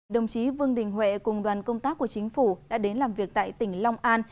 đồng chí vương đình huệ cùng đoàn công tác của chính phủ đã đến làm việc tại tỉnh long an